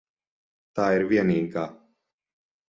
Tā ir vienīgā.